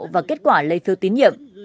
và kết quả lấy phiếu tín nhiệm